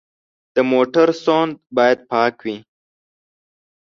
د موټر سوند باید پاک وي.